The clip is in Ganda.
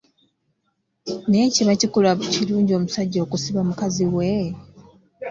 Naye kiba kikolwa kirungi omusajja okusiba mukazi we?